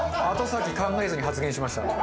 後先考えずに発言しました。